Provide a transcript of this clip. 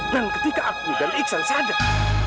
dan ketika aku dan iksan sadar